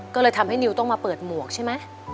ก็เลยทำให้นิวต้องมาเปิดหมวกใช่ไหม